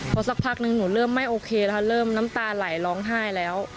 พอสักพักนึงหนูเริ่มไม่โอเคแล้วเริ่มน้ำตาไหลร้องไห้แล้ว